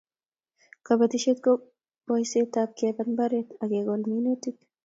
Kobotisiet ko boisetab kebat mbaret ak kekol minutik